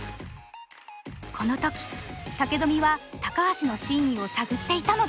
この時武富は高橋の真意を探っていたのだ。